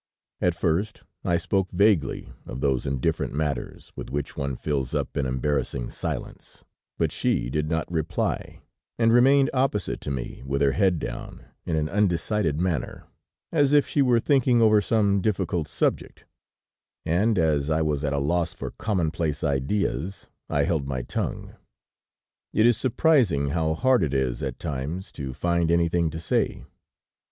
At first I spoke vaguely of those indifferent matters with which one fills up an embarrassing silence, but she did not reply, and remained opposite to me with her head down in an undecided manner, as if she were thinking over some difficult subject, and as I was at a loss for commonplace ideas, I held my tongue. It is surprising how hard it is at times to find anything to say.